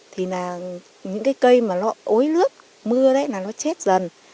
thì những cây mà nó ối lướt mưa đấy là nó chết dần